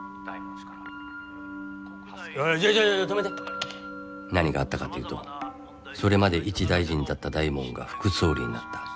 おいちょちょ止めて何があったかというとそれまで一大臣だった大門が副総理になった。